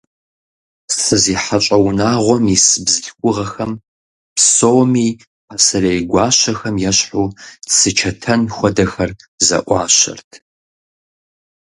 СызихьэщӀэ унагъуэм ис бзылъхугъэхэм псоми, пасэрей гуащэхэм ещхьу, цы, чэтэн хуэдэхэр зэӀуащэрт.